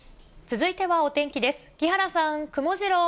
続いてはお天気です。